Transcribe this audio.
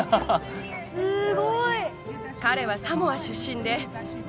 すごい。